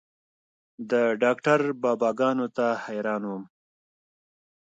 د ډاکتر بابا ګانو ته حيران وم.